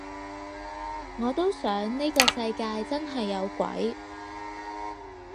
我都想呢個世界真係有鬼